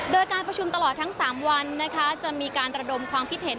โดยการประชุมตลอดทั้ง๓วันนะคะจะมีการระดมความคิดเห็น